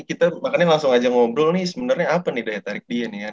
kita makanya langsung aja ngobrol nih sebenernya apa nih daya tarik dia nih ya